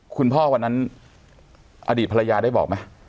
วันนั้นอดีตภรรยาได้บอกไหม